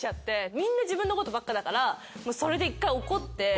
みんな自分のことばっかだからそれで一回怒って。